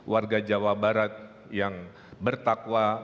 warga jawa barat yang bertakwa